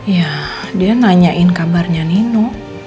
ya dia nanyain kabarnya nino